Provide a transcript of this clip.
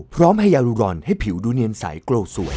พร้อมให้ยารูรอนให้ผิวดูเนียนใสโกรธสวย